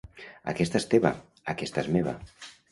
Aquesta és teva, aquesta és meva.